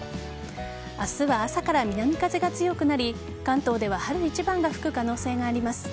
明日は朝から南風が強くなり関東では春一番が吹く可能性があります。